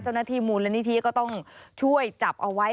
เจ้าหน้าที่มูลนิธิก็ต้องช่วยจับเอาไว้